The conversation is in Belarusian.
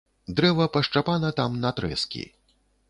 Дрэва пашчапана там на трэскі.